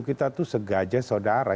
kita tuh segaja saudara